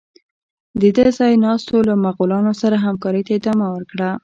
د ده ځای ناستو له مغولانو سره همکارۍ ته ادامه ورکړه.